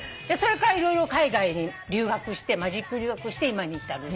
それから色々海外に留学してマジック留学して今に至る。